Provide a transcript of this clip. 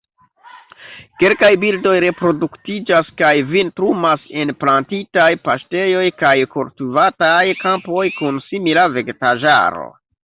Kelkaj birdoj reproduktiĝas kaj vintrumas en plantitaj paŝtejoj kaj kultivataj kampoj kun simila vegetaĵaro.